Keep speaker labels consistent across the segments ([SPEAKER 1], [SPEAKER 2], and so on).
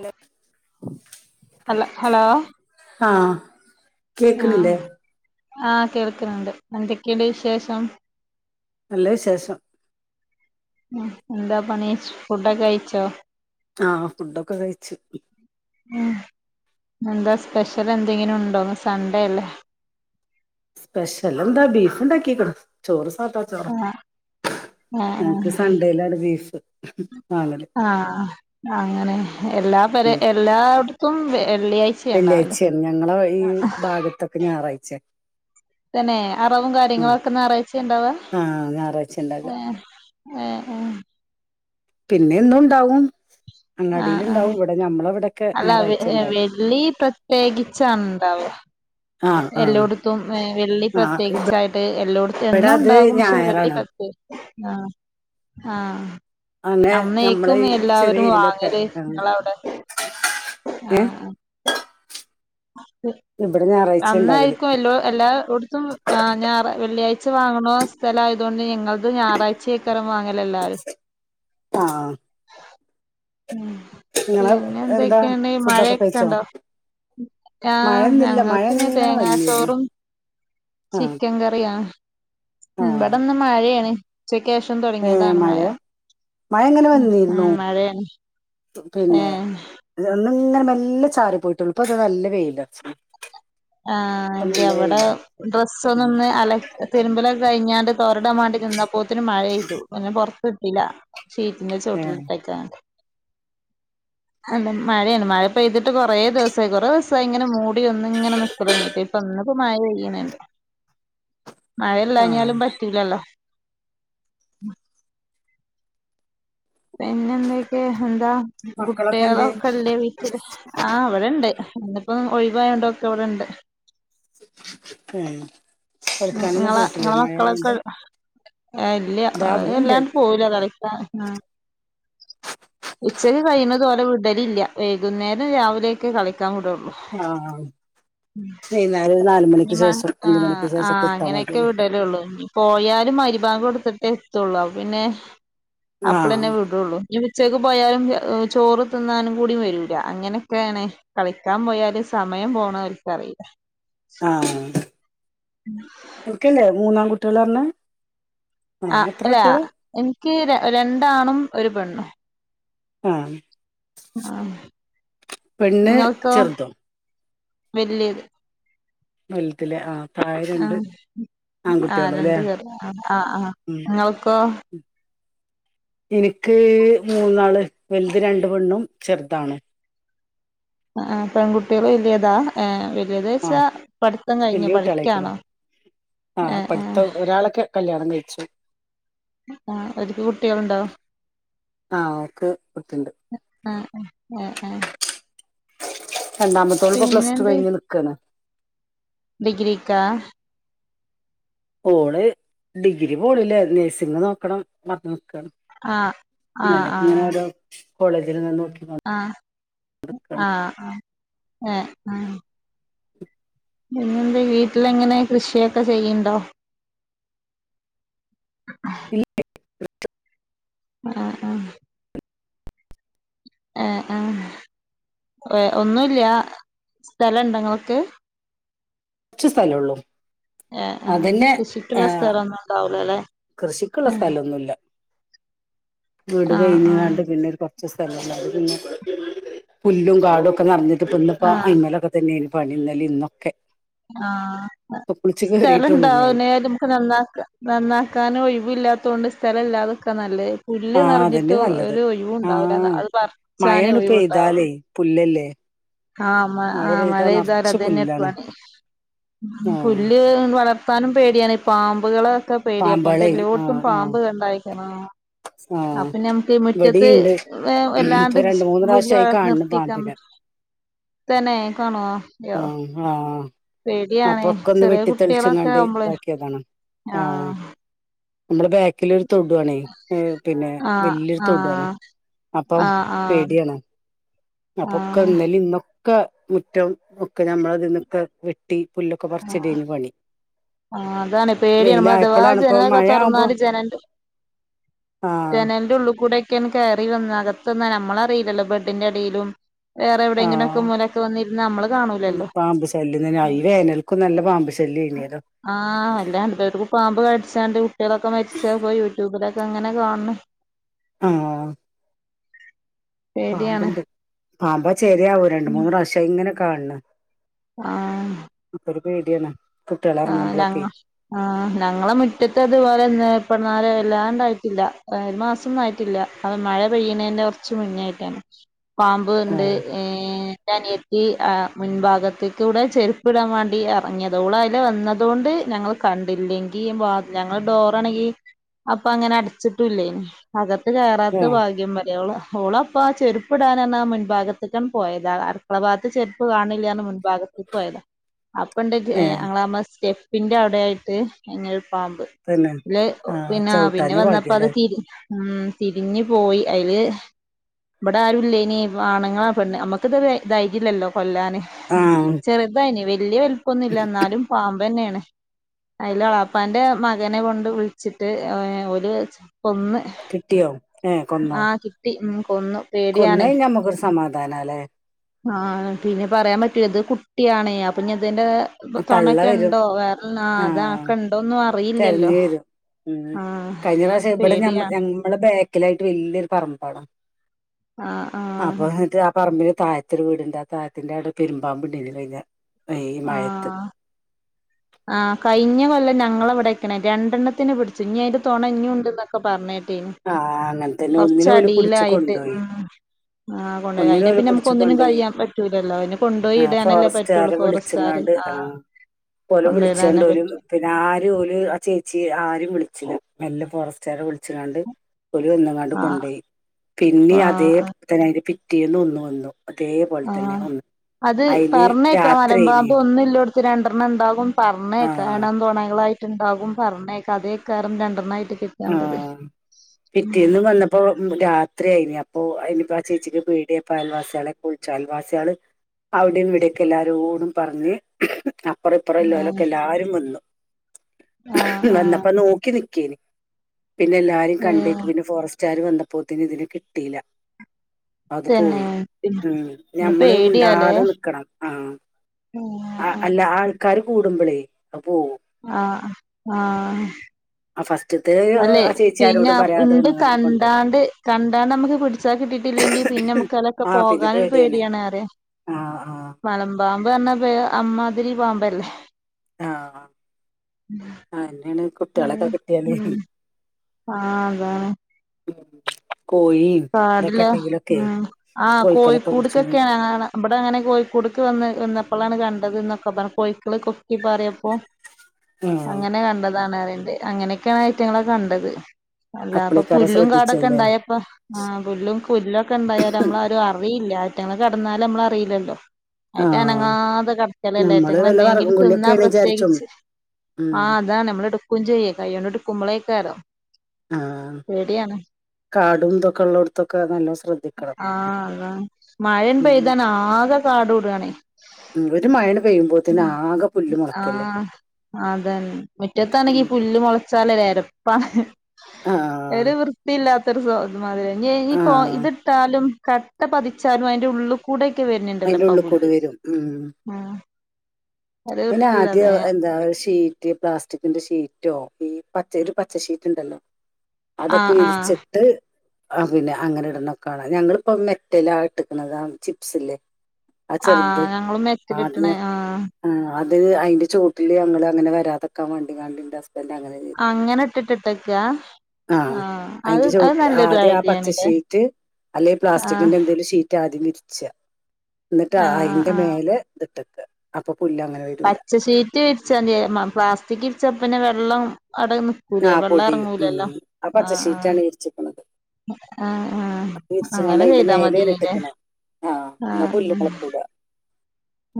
[SPEAKER 1] Hello
[SPEAKER 2] അല്ല ഹലാ
[SPEAKER 1] ആ കേക്കണില്ലേ
[SPEAKER 2] ആ കേൾക്കുന്നുണ്ട് എന്തൊക്കെയുണ്ട് വിശേഷം
[SPEAKER 1] നല്ല വിശേഷം
[SPEAKER 2] എന്താ പണി ഫുഡൊക്കെ കയിച്ചോ
[SPEAKER 1] ആ ഫുഡൊക്കെ കഴിച്ചു
[SPEAKER 2] ഉം എന്താ സ്പെഷ്യല് ന്തെങ്കിലും ണ്ടോ സണ്ടേയല്ലേ
[SPEAKER 1] സ്പെഷ്യൽ എന്താ ബീഫ് ഉണ്ടാക്കിക്ക്ണ് ചോറ് സാധാ ചോറാ
[SPEAKER 2] ആഹ
[SPEAKER 1] ഞങ്ങക്ക്
[SPEAKER 2] ആഹ
[SPEAKER 1] സൺഡേയിലാണ് ബീഫ് വാങ്ങല്
[SPEAKER 2] ആഹ അങ്ങനെ എല്ലാ പെരെ
[SPEAKER 1] ഉം
[SPEAKER 2] എല്ലാ തും വെ
[SPEAKER 1] വെള്ളിയാഴ്ചയാണ് ഞങ്ങള ഈ ഭാഗത്തൊക്കെ ഞായറാഴ്ച
[SPEAKER 2] തന്നെ അറവും കാര്യങ്ങളും ഒക്കെ ഞാറായ്ച്ചേ ണ്ടാവാ
[SPEAKER 1] ആഹ് ഞായറാഴ്ച ഇണ്ടാക
[SPEAKER 2] ഏഹ് ഏഹ് ഏഹ്
[SPEAKER 1] പിന്നെന്നുംണ്ടാവും
[SPEAKER 2] ആഹ് ആഹ്
[SPEAKER 1] അങ്ങാടിൽണ്ടാവും ഇവിടെ ഞമ്മളവടെ
[SPEAKER 2] അല്ല വെ വെള്ളി പ്രത്യേകിച്ചാണ് ണ്ടാവ
[SPEAKER 1] ആഹ് ആഹ്
[SPEAKER 2] എല്ലോട്ത്തും ഏ വെള്ളി
[SPEAKER 1] ആഹ്
[SPEAKER 2] പ്രത്യേകിച്ചായിട്ട് എല്ലോട്ത്തും
[SPEAKER 1] ഇവിടെ
[SPEAKER 2] എന്നും
[SPEAKER 1] അത്
[SPEAKER 2] ഉണ്ടാകും ക്ഷെ വെള്ളി
[SPEAKER 1] ഞായറാണ്
[SPEAKER 2] പ്രത്യേക ആഹ ആഹ
[SPEAKER 1] അങ്ങനെ നമ്മളെ
[SPEAKER 2] അമ്മേക്കും
[SPEAKER 1] ഈ ചെറിയ
[SPEAKER 2] എല്ലാവരും
[SPEAKER 1] ഏരിയയിലൊക്കെ
[SPEAKER 2] വാങ്ങല്
[SPEAKER 1] ആഹ്
[SPEAKER 2] നിങ്ങളവിടെ
[SPEAKER 1] ഏഹ്
[SPEAKER 2] ആഹ ആ
[SPEAKER 1] ഇവിടെ ഞായറാഴ്ച ഇണ്ടാകല്
[SPEAKER 2] അന്നായിരിക്കും എല്ല എല്ലായിടത്തും ആ ഞാൻ വെള്ളിയാഴ്ച വാങ്ങണ സ്ഥല ആയതൊണ്ട്ഞൾ ഞറാഴ്ക്ക വാങ്ങ അല്ലല്ലത്
[SPEAKER 1] ആഹ്
[SPEAKER 2] ഉം
[SPEAKER 1] നിങ്ങളെ
[SPEAKER 2] പിന്നെ
[SPEAKER 1] എന്താ
[SPEAKER 2] എന്തൊക്കെയണ്ടെ
[SPEAKER 1] ഫുഡൊക്കെ കഴിച്ചോ
[SPEAKER 2] മഴയൊക്കെണ്ടോ ആഹ്
[SPEAKER 1] മഴയൊന്നില്ല മഴ
[SPEAKER 2] ഞങ്ങൾക്ക്ിന്
[SPEAKER 1] ഇങ്ങനെ
[SPEAKER 2] തേങ്ങാ
[SPEAKER 1] വന്നിരുന്നു
[SPEAKER 2] ചോറും
[SPEAKER 1] ആ
[SPEAKER 2] ചിക്കൻ കറിയാണ്
[SPEAKER 1] ആ
[SPEAKER 2] ആഹ് ഇവിടെന്ന് മഴയാണ് ച ശം തുടങ്ങിയ ദാനമായ
[SPEAKER 1] മയങ്കലമന്നീരുന്നു പിന്നെ
[SPEAKER 2] ഏഹ്
[SPEAKER 1] അങ്ങനെ നല്ല ചാറി പോയിട്ടുള്ളൂ ഇപ്പ അത നല്ല വേയില്ല
[SPEAKER 2] ആഹ ഇല്ല അവിടെ ഡ്രസ്സ ഒന്ന ഒന്ന് അല തിരുമ്പല കഴിഞ്ഞാൽ തൊരടൻേണ്ടി നി പത്തിന് മഴെയ്തു പിന്നെ പുറത്ത് ഇല്ല ീറ്റിന്റെ
[SPEAKER 1] ഏ
[SPEAKER 2] ചോട്ടിലിട്ടേക്ക അല്ല മഴയാണ് മഴ പെയ്തിട്ട് കൊറേ ദിവസമായി കൊറേ ദിവസമായി ഇങ്ങനെ മൂ ഇടങ്ങിട്ട ഇപ്പ ഇന്നിപ്പോ മായ പെയ്യണണ്ട് മഴ ഇല്ല
[SPEAKER 1] ആ
[SPEAKER 2] കഞ്ഞാലും പറ്റലല്ലോ ഉം പിന്നെ എന്തൊക്കെ എന്താ
[SPEAKER 1] മക്കളൊക്കെ എന്ത്
[SPEAKER 2] കുട്ടികളൊക്കെല്ലേ വീട്ടില് ആ അവിടെണ്ട് എന്നിപ്പ ഒഴിവായണ്ടോക്കെ അവിടെണ്ട്
[SPEAKER 1] ഹ്
[SPEAKER 2] ഉ നിങ്ങളെ നിങ്ങളെ മക്കളൊക്കെ ആ ഇല്ല
[SPEAKER 1] ഇതാ
[SPEAKER 2] അത്
[SPEAKER 1] ഇവിടെണ്ട്
[SPEAKER 2] എല്ലാണ്ട് പോവല തല ആ അഉച്ചക്ക് കഴിയുന്നത് ഓലെ വിടലില്ല വൈകുന്നേരം രാവിലെയൊക്കെ കളിക്ക
[SPEAKER 1] ആഹ വൈകുന്നേര നാ
[SPEAKER 2] ഇനി ആ ആ് അങ്ങനെയൊക്കെ
[SPEAKER 1] മതിയല്ലോ
[SPEAKER 2] വിടലള്ളൂ ഇനി പോയാലും മരി ബാങ്ക് കൊടുത്തിട്ടേ എത്തുള്ളു അപ്പ പിന്നെ
[SPEAKER 1] ആ
[SPEAKER 2] അപ്പളെന്നെ വിടുള്ളൂ ഉച്ചക്ക് പോയാലും ചോറ് തിന്നാനും കൂട വരൂല അങ്ങനെയൊക്കെയാണ് കളിക്കാൻ പോയാല സമയം പോണ അവർക്ക്റിയില്ല
[SPEAKER 1] ആഹ നക്കല്ലേ മൂന്നാൺ കു കുട്ടികൾ വന്ന്
[SPEAKER 2] ആ അല്ല എനിക്ക് രണ്ടാണും ഒരു പെണ്ണും
[SPEAKER 1] ആഹ
[SPEAKER 2] ആഹ
[SPEAKER 1] പെണ്ണ്
[SPEAKER 2] നിങ്ങൾക്കോ
[SPEAKER 1] ചെറുതോ
[SPEAKER 2] വല്ല്യത്
[SPEAKER 1] വല്തില് ആഹ
[SPEAKER 2] ആ ആ രണ്ട
[SPEAKER 1] അല്ലേ
[SPEAKER 2] പേർക്കും ചേർ ആ് ആഹ്
[SPEAKER 1] ഉം
[SPEAKER 2] നിങ്ങൾക്കോ
[SPEAKER 1] എനിക്ക് മൂന്നാള് വലുത് രണ്ട പെണ്ണും ചെറുതാണും
[SPEAKER 2] ആ പെൺകുട്ടികൾ വലിയതാ്യ ആ വലി
[SPEAKER 1] ആ
[SPEAKER 2] ഏകദേശാ പഠിത്തം കഴിഞ്ഞു
[SPEAKER 1] വല്യ കുട്ടികളായിക്കണ്
[SPEAKER 2] പഠിക്കണോ ഏ ആ
[SPEAKER 1] ഉ
[SPEAKER 2] ആഹ എക്ക് കുട്ടികൾുണ്ടാവോ
[SPEAKER 1] ആ ഓക്ക് കുട്ടിണ്ട്
[SPEAKER 2] ആ ആ [inaudible] ആഹ
[SPEAKER 1] രണ്ടാമത്തോള ഇപ്പൊ പ്ലസ ടു കഴിഞ്ഞ് നിക്കണ്
[SPEAKER 2] ഡിഗ്രിക്ക
[SPEAKER 1] ഓള് ഡിഗ്രി പോണില്ലേ നേഴ്സിങ് നോക്കണം മക്ക്
[SPEAKER 2] ആഹ്
[SPEAKER 1] ഇന്നലെക്കങ്ങോ രോ- കോളേജിൽ നിന്ന്
[SPEAKER 2] ആഹ ആഹ ആഹ ആഹ ആഹ [unintelligible] വീട്ടില് എങ്ങനെ കൃഷിയൊക്കെ ചെയ്യണ്ടോ
[SPEAKER 1] [unintelligible] [inaudible]
[SPEAKER 2] അഹ് അഹ് ഏ ആ ഒന്നൂല്ല സ്ഥലണ്ടാ ഇങ്ങളിക്ക്
[SPEAKER 1] കുറച്ച് സ്ഥലള്ളൂ
[SPEAKER 2] ഏഹ് ആഹ്
[SPEAKER 1] അതന്നെ
[SPEAKER 2] കൃഷിക്കുള്ള
[SPEAKER 1] ഏർ
[SPEAKER 2] സ്ഥലൊന്നും ഉണ്ടാവൂലല്ലേ
[SPEAKER 1] കൃഷിക്കുള്ള
[SPEAKER 2] ആഹ്
[SPEAKER 1] സ്ഥലമൊന്നുമല്ല വീട്
[SPEAKER 2] ആഹ്
[SPEAKER 1] കഴിഞ്ഞതാണ്ട് പിന്നെ കൊ സ്ഥലല്ല പിന്നെ പുല്ലും കാടും ഒക്കെ നറഞ്ഞി പ്പന്നപ്പ
[SPEAKER 2] ആഹ്
[SPEAKER 1] [unintelligible] പണി ഇന്നലും ഇന്നൊക്കെ
[SPEAKER 2] ആഹ
[SPEAKER 1] ഇപ്പൊ കുളിച്ച് കേറിയിട്ടുള്ളൂ ഞാന്
[SPEAKER 2] സ്ഥലംണ്ടാവനൽ നമുക്ക് നന്നാക്ക നന്നാക്കാനൻ ഒഴിവില്ലാത്ത കൊണ്ട് സ്ഥലം ഇല്ലാതിക്കാ നല്ലത് പുല്ല്
[SPEAKER 1] ആഹ
[SPEAKER 2] നിറഞ്ഞിട്ട്
[SPEAKER 1] അതന്നെ നല്ലത്
[SPEAKER 2] ഒരു ഒഴിവും
[SPEAKER 1] ആഹ
[SPEAKER 2] ഉണ്ടാവൂല അത്
[SPEAKER 1] മഴ
[SPEAKER 2] പറിച്ചാനേ
[SPEAKER 1] എണുപ്പെയ്താലേ പുല്ലല്ലേ
[SPEAKER 2] ആഹ
[SPEAKER 1] മഴ
[SPEAKER 2] ആ്
[SPEAKER 1] പെയ്താ
[SPEAKER 2] മഴേതാല്
[SPEAKER 1] നറച്ച്
[SPEAKER 2] അതെന്നെ
[SPEAKER 1] പുല്ലാണ്
[SPEAKER 2] പണി
[SPEAKER 1] ആഹ്
[SPEAKER 2] പുല് വളർത്താനും പേടിയാണ് പാമ്പുകള് ഒക്ക
[SPEAKER 1] പാമ്പാളെ
[SPEAKER 2] പേടിയപ്പെല്ലോടത്തും
[SPEAKER 1] ആഹ് ആഹ്
[SPEAKER 2] പാമ്പ് കണ്ടായിക്കണോ ആ
[SPEAKER 1] ആഹ്
[SPEAKER 2] പിന്നെ നമുക്ക് മുറ്റത്ത്
[SPEAKER 1] ഇവിടെയുണ്ട് ഇപ്പൊ
[SPEAKER 2] വല്ലാണ്ട്
[SPEAKER 1] രണ്ട് മൂന്ന്
[SPEAKER 2] പുല്ല്
[SPEAKER 1] പ്രാവശ്യായി
[SPEAKER 2] വളർന്ന്
[SPEAKER 1] കാണണ്
[SPEAKER 2] നിർത്തിക്കാൻ
[SPEAKER 1] പാമ്പിനെ
[SPEAKER 2] പറ്റ തന്നെ കാണുവോ അയ്യോ
[SPEAKER 1] ആഹ ആപൊ ഒക്കൊന്ന് വെട്ടി തെളിച്ചുംങ്ങാണ്ടി ഇതാക്കിയതാണ്
[SPEAKER 2] ആഹ
[SPEAKER 1] നമ്മള് ബാക്കിൽ ഒരു തൊടുവാണെ ഏ പിന്നെ
[SPEAKER 2] ആഹ്
[SPEAKER 1] [unintelligible]
[SPEAKER 2] ആഹ്
[SPEAKER 1] അപ്പൊ
[SPEAKER 2] ആഹ്
[SPEAKER 1] പേടിയാണ്
[SPEAKER 2] ആഹ്
[SPEAKER 1] അപ്പൊക്കെ
[SPEAKER 2] ആഹ്
[SPEAKER 1] ഇന്നലേ ഇന്നൊക്ക ഒക്ക മുറ്റം ഒക്കെ നമ്മള നിന്നൊക്കെ വെട്ടി പുല്ലൊക്കെ പറച്ചിടന് പണി
[SPEAKER 2] ആ അതാണ് പേടിയാണ് അഥവാ
[SPEAKER 1] വെയിലായപ്പളാണ് ഇപ്പോ
[SPEAKER 2] ജനലൊക്കെ
[SPEAKER 1] മഴ ആവുമ്പോ
[SPEAKER 2] തുറന്നാല് ജനല്
[SPEAKER 1] ആഹ്
[SPEAKER 2] ജനലിൻ്റെ ഉള്ള കൂടെ ഒക്കൻ കേറി വന്ന അകത്ത്ന്ന നമ്മളറീലല്ലോ ബെഡ്ന്റെ അടീലും
[SPEAKER 1] ആഹ് ഉം
[SPEAKER 2] കാണൂലല്ലോ
[SPEAKER 1] പാമ്പ് ശല്യം തന്നെ അ ഈ വേനൽക്കും നല്ല പാമ്പ് ശല്യേനല്ലോ
[SPEAKER 2] ആഹ് അല്ലാണ്ട്ർക്ക് പാമ്പ് കടിച്ചാണ്ട് കുട്ടികളൊക്കെ മരിച്ച പോ യൂട്യൂബിലൊക്കെ അങ്ങനെ കാണണ്
[SPEAKER 1] ആഹ്
[SPEAKER 2] പേടിയാണ്
[SPEAKER 1] പാമ്പുണ്ട് പാമ്പയും ചേരാവോ രണ്ട് മൂന്ന് പ്രാവശ്യായി ഇങ്ങനെ കാണണ്
[SPEAKER 2] ആഹ്
[SPEAKER 1] പേടിയാണ് കുട്ട്യാള്
[SPEAKER 2] ആ
[SPEAKER 1] എറങ്ങുമ്പളൊക്കെ
[SPEAKER 2] ഞങ്ങ ആ ഞങ്ങളെ മുറ്റത്ത് അതുപോലെന്ന് ഇപ്പന്നാള് വല്ലാണ്ടായിട്ടില്ല എ് ഒരു മാസം ഒന്നും ആയിട്ടില്ല അത് മഴ പെയ്യണേന്റെ കൊറച്ച് മുന്നേയിട്ടാണ് പാമ്പ് ഇണ്ട്
[SPEAKER 1] ആഹ്
[SPEAKER 2] ഏൻ്റെ അനിയ ആ മുൻഭാഗത്തിക്കൂടെ ചെരുപ്പ് ഇടാൻ വേണ്ടി ഇറങ്ങിയതാ ഓള് ആയ ലെ വന്നതോണ്ട് ഞങ്ങള് കണ്ട് ഇല്ലെങ്കി വാ ഞങ്ങള് ഡോറാണെങ്കി അപ്പൊ അങ്ങനെ അടച്ചിട്ടും ല്ലേ അക അകത്തു കയറാത്ത
[SPEAKER 1] ഏഹ്
[SPEAKER 2] ഭാഗ്യം പറയോള്ള ഓള് അപ്പ ആ ചെരുപ്പിടാനന്നാ മുൻഭാഗത്തേക്കണ് പോയതാ അടുക്കള ഭാഗത്ത് ചെരുപ്പ് കാണി ണില്ലാന്നും മുൻ ഭാഗത്തിക്ക് പോയതാ അപ്പണ്ട് ദേ
[SPEAKER 1] ഏഹ്
[SPEAKER 2] ആ സ്റ്റെപ്പിന്റെ അവിടെ ആയിട്ട് ഇങ്ങനെ പാമ്പ്
[SPEAKER 1] തന്നെ
[SPEAKER 2] ല് ഒ
[SPEAKER 1] ആഹ്
[SPEAKER 2] പിന്നെ ആ പിന്നെ
[SPEAKER 1] ചവിട്ടാഞ്ഞ
[SPEAKER 2] വന്നപ്പോ അത്
[SPEAKER 1] ഭാഗ്യല്ലേ
[SPEAKER 2] തിരി ഉം തിരിഞ്ഞു പോയി അയില് ബടെ ആരുല്ലേനിം ആണുങ്ങളാ പെണ്ണ് മ്മുക്ക് ഇത് ധൈര്യല്ലാല്ലോ കൊല്ലാന് ഹ്
[SPEAKER 1] ആഹ്
[SPEAKER 2] ചെറുതേനി വല്യവലി ക്കൊന്നൂല്ല ന്നാ പാമ്പന്നെയാണ് അയ്ല് എളാപ്പാന്റെ മകനെ കൊണ്ട് വിളിച്ചിട്ട് എ് ഓല് ച്ച് കൊന്ന് ആ കിട്ടി ഉം കൊന്നു പേടിയാണേ
[SPEAKER 1] കൊന്നേഴിഞ്ഞ മ്മുക്കൊരു സമാധാനല്ലേ
[SPEAKER 2] ആഹ് പിന്നെ പറയാൻ പറ്റൂല്ല ത് കുട്ട്യാണേ അപ്പൊ ഞി തിന്റെ
[SPEAKER 1] തള്ള
[SPEAKER 2] തൊണക്കെ
[SPEAKER 1] വരും
[SPEAKER 2] ഇണ്ടോ വേറെ ആ അതാ
[SPEAKER 1] ആഹ്
[SPEAKER 2] ക്കിണ്ടോന്നും അറിയില്ലല്ലോ
[SPEAKER 1] തെരഞ്ഞു വരും ഉം
[SPEAKER 2] ആഹ് പേടിയാ
[SPEAKER 1] ക്കിലായിട്ട് വല്യൊരു പറമ്പാണ്
[SPEAKER 2] ആഹ് ആഹ്
[SPEAKER 1] അപ്പൊ ന്നിട്ട് ആ പറമ്പില് തായത്തൊരു വീടുണ്ട് ആ തായത്തിന്റെ അവിടെ പെരുംപാമ്പുണ്ടായിനു കഴിഞ്ഞാ യീ മഴേ ത്ത്
[SPEAKER 2] ആഹ് ആഹ് കഴിഞ്ഞ കൊല്ലം ഞങ്ങളെവിടക്കണെ രണ്ടെണ്ണത്തിനെ പിടിച്ചു ഞി അയിന്റെ തൊണ ഞുണ്ട്ന്നൊക്കെ പറണേർ ട്ടേനു.
[SPEAKER 1] ആഹ് അങ്ങനത്തന്നെ ഒന്നിനെ ഓല് പുടിച്ച്
[SPEAKER 2] കൊറച്ചടിയിലായിട്ട്
[SPEAKER 1] കൊണ്ടോയി
[SPEAKER 2] ഉം ആ കൊണ്ടയി
[SPEAKER 1] ഒന്നിനെ
[SPEAKER 2] അതിനെ
[SPEAKER 1] ഓല്
[SPEAKER 2] പിന്നെ നമുക്ക്
[SPEAKER 1] പുടിച്ച്
[SPEAKER 2] ഒന്നിനും
[SPEAKER 1] കൊണ്ടോയി
[SPEAKER 2] കഴിയാൻ പറ്റൂലല്ലോ അതിനെ കൊണ്ടോയി
[SPEAKER 1] ആഹ്
[SPEAKER 2] ഇടാനല്ലേ പറ്റുള്ളൂ
[SPEAKER 1] ഫോറസ്റ്റുകാരെ
[SPEAKER 2] ഫോറസ്റ്റുകാര് ആഹ്
[SPEAKER 1] പോ ഓല്
[SPEAKER 2] കൊണ്ടോയിടാനേ
[SPEAKER 1] വിളിച്ചണ്ടോലും
[SPEAKER 2] പറ്റൂ
[SPEAKER 1] പിന്നെ ആരും ഓല് ആ ചേ ച്ചി ആരും വിളിച്ചില്ല മെല്ലെ ഫോറസ്റ്റുകാരെ വിളിച്ച് കണ്ട് ഓല് വന്നുംങ്ങാണ്ട് കൊണ്ടു
[SPEAKER 2] ആഹ്
[SPEAKER 1] പോയി പിന്നെ അതേപല തന്നെ അതിന്റെ ഒന്നു വന്നു അതേപോലെ
[SPEAKER 2] ആഹ
[SPEAKER 1] തന്നെ ഒന്ന്
[SPEAKER 2] അത്
[SPEAKER 1] അയില്
[SPEAKER 2] പറഞ്ഞേക്കാം
[SPEAKER 1] രാത്രിയേനി
[SPEAKER 2] മലമ്പാമ്പ് ഒന്നുംല്ല രണ്ടെണ്ണം ഉണ്ടാകും പറഞ്ഞേ
[SPEAKER 1] ആഹ്
[SPEAKER 2] കാരനണം തോണാകളായി് ഉണ്ടാകും പറഞ്ഞേക്ക അതേ കറും രണ്ടന്നായിട്ട്
[SPEAKER 1] ആഹ പിറ്റേന്ന് വന്നപ്പോ രാത്രിയയിനി അപ്പൊ അനിപ്പ ആ ചേച്ചിക്ക് പീടിയ ഇപ്പ അയൽവാസികളെ കുളിച്ചു അയൽവാസികള് അവിടയും ഇവിടയൊക്കെ എല്ലാരോടും പറഞ്ഞ് അപ്പറം ഇപ്പുറംല്ല
[SPEAKER 2] ഏഹ്
[SPEAKER 1] അലൊക്കെ എല്ലാവാരും വന്നു
[SPEAKER 2] ആഹ് ആഹ്
[SPEAKER 1] വന്നപ്പോ നോക്കി നി ക്കിയിനി പിന്നെ എല്ലാരും കണ്ടേക്ക്
[SPEAKER 2] ഉം
[SPEAKER 1] പിന്നെ ഫോറ സ്റ്റ്കാര് വന്നപ്പോത്തേന് ഇതിനെ കിട്ടിയില്ല അത്
[SPEAKER 2] തന്നെ
[SPEAKER 1] പോയി
[SPEAKER 2] പിന്നെ
[SPEAKER 1] ഉം ഞമ്മള്
[SPEAKER 2] പേടിയാലേ
[SPEAKER 1] മിണ്ടാതെ നിക്കണം ആ ആ അല്ല ആൾ ക്കാര് കൂടുമ്പളേ അത് പോവും
[SPEAKER 2] ആ ആ
[SPEAKER 1] [unintelligible]
[SPEAKER 2] അല്ലെ
[SPEAKER 1] ആ
[SPEAKER 2] പിന്നെ
[SPEAKER 1] ചേച്ചിയാരോടും പറയാതെ
[SPEAKER 2] ഉണ്ട്
[SPEAKER 1] വന്ന്ങ്ങാണ്ട് കൊണ്ടോയി
[SPEAKER 2] കണ്ടാണ്ട് കണ്ടാണ്ട് നമ്മുക്ക് പിടിച്ചാ കിട്ടിട്ടില്ലെങ്കിൽ പിന്നെ നമുക്ക് അതൊക്കെ
[SPEAKER 1] ആഹ് പിന്നെ
[SPEAKER 2] പോകാനൊരു പേടിയാണ് പറയുവാ
[SPEAKER 1] ആഹ്
[SPEAKER 2] മലമ്പാമ്പ് ഇ പറഞ്ഞ അമ്മാതിരി പാമ്പല്ലേ
[SPEAKER 1] ആ ആ
[SPEAKER 2] ഉം ഉം ആ അതേ
[SPEAKER 1] ഉം കോഴിയും ഇതൊക്കെ
[SPEAKER 2] കാടില്ല
[SPEAKER 1] ഉണ്ടെങ്കിലൊക്കെ
[SPEAKER 2] ഉ ആ
[SPEAKER 1] കോഴിക്കളൊക്കെ
[SPEAKER 2] കോഴിക്കൂടുക്ക്
[SPEAKER 1] പിടിച്ചു
[SPEAKER 2] ഒക്കെ അങ്ങനെയാണ്. ഇവിടെ അങ്ങനെ കോഴിക്കൂടുക്ക് വന്ന് നിന്നപ്പോളാണ് കണ്ടത് കോഴിക്കള് കൊക്കി പാറിയപ്പോ
[SPEAKER 1] ആഹ്
[SPEAKER 2] അങ്ങനെ കണ്ടതാണ് പറയാ അങ്ങനെയൊക്കെയാണ് ഐറ്റങ്ങള കണ്ടത് അല്ല അപ്പൊ
[SPEAKER 1] അപ്പളേക്കാരം
[SPEAKER 2] പുല്ലും കാടൊക്കെ
[SPEAKER 1] ശ്രദ്ധിച്ചല്ലേ
[SPEAKER 2] ഇണ്ടായപ്പ ആ പുല്ലും പുല്ലൊക്കെ ഉണ്ടായാലേ നമ്മളാരും അറി അല്ല ആറ്റങ്ങൾ കെടന്നാലും നമ്മള് അറിയില്ലല്ലോ അയിറ്റം
[SPEAKER 1] ആഹ്
[SPEAKER 2] അനങ്ങാതെ കിടക്കലല്ലേ
[SPEAKER 1] നമ്മള്
[SPEAKER 2] അയിറ്റങ്ങൾ
[SPEAKER 1] വല്ല വറകും
[SPEAKER 2] എന്തെങ്കിലും തിന്നാ
[SPEAKER 1] കൊള്ളിയൊക്കെയാണ് വിചാരിച്ചും
[SPEAKER 2] പ്രത്യേകിച്ച് ആ
[SPEAKER 1] ഉം
[SPEAKER 2] അതാണ് നമ്മള് എടുക്കുകയും ചെയ്യും കയ്യോണ്ട് എടുക്കുമ്പോളെ [unintelligible]
[SPEAKER 1] ആ കാടും ഇതൊക്കെ ഉള്ളോടത്തൊക്കെ നല്ലോ ശ്രദ്ധിക്കണം
[SPEAKER 2] ആ അതാ മഴയും
[SPEAKER 1] ഉം
[SPEAKER 2] പെയ്താൻ ആകെ കാട് കൂട് കൂടുവാണേ
[SPEAKER 1] ഉം ഒരു മഴ പെയ്യുമ്പോത്തിന്
[SPEAKER 2] ഉം
[SPEAKER 1] ആകെ പുല്ല്
[SPEAKER 2] ആ
[SPEAKER 1] മുളക്കല്ലേ
[SPEAKER 2] അതന്നെ മുറ്റത്താണെങ്കി പുല്ല് മുളച്ചാനെ [unintelligible]
[SPEAKER 1] ആഹ്
[SPEAKER 2] ഒരു വൃത്തിയില്ലാ [unintelligible] മഴ തന്നെയാ ഇനി
[SPEAKER 1] ആഹ്
[SPEAKER 2] ഇതിട്ടാലും കട്ട പതിച്ചാലും അതിന്റെ ഉള്ളിൽ കൂടെ ഒക്കെ വരണ്
[SPEAKER 1] അയിന്റെ
[SPEAKER 2] ണ്ടല്ലൊപ്പ
[SPEAKER 1] ഉള്ളിൽ കൂടി
[SPEAKER 2] പുല് ആഹ്
[SPEAKER 1] പിന്നെ ആദ്യ എന്താ ഷീറ്റ് പ്ലാസ്റ്റിക്കിന്റെ ഷീറ്റ് റ്റോ ഉം പച്ച ഒരു പച്ച ശീറ്റ് ഇണ്ടല്ലോ അതൊക്കെ
[SPEAKER 2] ആഹ് ആഹ്
[SPEAKER 1] വിരിച്ചിട്ട് ആഹ് പിന്നെ അങ്ങനെ ഇടുന്നൊക്കാണ് ഞങ്ങളിപ്പ മെറ്റലാ ഇട്ട്ക്ക്ണത് അഹ് ചിപ്സലേ
[SPEAKER 2] ആഹ് ഞങ്ങളും മെറ്റല് ഇട്ട്ണ് ആഹ്
[SPEAKER 1] ആഹ് അത് അയ്ന്റെ ചോട്ടില് ഞങ്ങള് അങ്ങനെ വരാതക്കാൻ വേണ്ടി കാണ്ടിണ്ട മെല്ല ങ്ങനെ ചെയ്ത്
[SPEAKER 2] അങ്ങനെ ഇട്ടിട്ടിട്ടേക്ക
[SPEAKER 1] ആഹ്
[SPEAKER 2] അത്
[SPEAKER 1] അയ്ന്റെ
[SPEAKER 2] അത്
[SPEAKER 1] ചോട്ട്
[SPEAKER 2] നല്ലൊരു
[SPEAKER 1] ആദ്യം ആ
[SPEAKER 2] ഐഡിയ ആണല്ലേ
[SPEAKER 1] പച്ചശീറ്റ് അല്ലെ
[SPEAKER 2] ആഹ്
[SPEAKER 1] പ്ലാസ്റ്റിക്കിന്റെ എന്തെലും ഷീറ്റ് ആദ്യം വിരിച്ച് ച്ച എന്നിട്ട് അയിന്റെ മേലെ ഇതിട്ടേക്കുക അപ്പൊ പുല്ല് അങ്ങനെ വരൂല
[SPEAKER 2] പച്ചശീറ്റ് വിരിച്ച [unintelligible] പ്ലാസ്റ്റിക് ചെപ്പനെ വെള്ളം അട നിക്കൂലേ
[SPEAKER 1] ആ
[SPEAKER 2] വെള്ളം
[SPEAKER 1] പൊടിയും ഉം.
[SPEAKER 2] എറങ്ങൂലല്ലോ
[SPEAKER 1] ആ പച്ച
[SPEAKER 2] ആഹ്
[SPEAKER 1] ഷീറ്റാണ് വിരിച്ചിരിക്കുന്നത്
[SPEAKER 2] ആഹ് ആഹ് ആഹ്
[SPEAKER 1] വിരിച്ചുകാണ്ട്
[SPEAKER 2] അങ്ങനെ
[SPEAKER 1] അതിന്റെ
[SPEAKER 2] ചെയ്താ
[SPEAKER 1] മേലെയാണ്
[SPEAKER 2] മത്യേനിലെ
[SPEAKER 1] ഇട്ടക്കണ ആഹ്
[SPEAKER 2] ആഹ്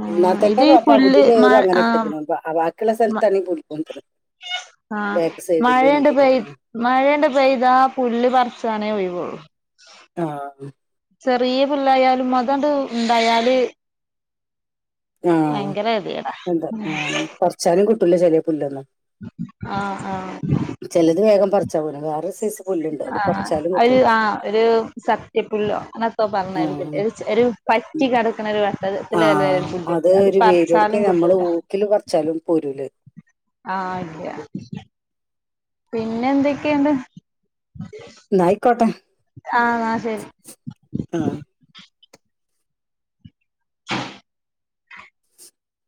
[SPEAKER 2] ആ ഇത്
[SPEAKER 1] എനാത്തനെ
[SPEAKER 2] ഈ പുല്ല്
[SPEAKER 1] പകുതിയിലേറും
[SPEAKER 2] മഴ
[SPEAKER 1] അങ്ങനെ
[SPEAKER 2] ആ
[SPEAKER 1] ഇട്ടക്ക്ണ് ആ വാക്കിയുള്ള സ്ഥലത്താണ് പെടിപോൻന്ത്ണത്
[SPEAKER 2] മയണ്ട് പെയ മയോണ്ട് പെയ്താ പുല്ല് പറിച്ചനെ ഒയിവ് ഒള്ളു
[SPEAKER 1] ആ
[SPEAKER 2] ചെറിയ പുല്ലയാലും അതേണ്ട് ഉണ്ടായാല്
[SPEAKER 1] ആ
[SPEAKER 2] ഭയങ്കര ഗതികേടാ
[SPEAKER 1] എന്താ ആ പറച്ചാലും കിട്ടുലാ ചെലേ പുല്ലെന്നും
[SPEAKER 2] ആ ആ
[SPEAKER 1] ചിലത് വേഗം പറിച്ചാ പോവൂല വേറെ സൈസ് പുല്ലുണ്ട് അത്
[SPEAKER 2] ആ
[SPEAKER 1] പറിച്ചാലും
[SPEAKER 2] ഒരു
[SPEAKER 1] കിട്ടൂല
[SPEAKER 2] ആ ഒരു സത്യപുല്ലോ ഇപ്പ പറഞ്ഞത്
[SPEAKER 1] ആഹ്
[SPEAKER 2] ഒരു ഒരു പറ്റികടക്ക്ണ ഒരു
[SPEAKER 1] ആ
[SPEAKER 2] വട്ടത്തിലല്ലേ ഒരു പുല്ല്
[SPEAKER 1] അത് ഒരു വേരോടുക്ക
[SPEAKER 2] പറിച്ചാലും
[SPEAKER 1] നമ്മള്
[SPEAKER 2] കിട്ടൂല
[SPEAKER 1] ഊക്കില് പറിച്ചാലും പോരുലത്
[SPEAKER 2] ആ ഇല്യ പിന്നെ എന്തെക്കെണ്ട്?
[SPEAKER 1] ന്നായിക്കോട്ടെ.
[SPEAKER 2] എന്നാ ശരി
[SPEAKER 1] ആ